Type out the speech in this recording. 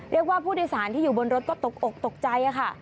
เรียกว่าผู้โดยสารที่อยู่บนรถก็ตกอกตกใจค่ะ